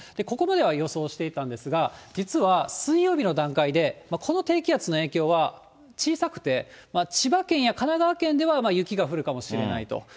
ここまでは予想していたんですが、実は水曜日の段階で、この低気圧の影響は小さくて、千葉県や神奈川県では雪が降るかもしれないと。